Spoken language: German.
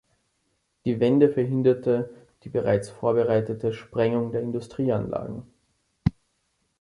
Die Wende verhinderte die bereits vorbereitete Sprengung der Industrieanlagen.